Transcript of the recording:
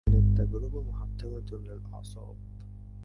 كانت تجربة محطمة للأعصاب.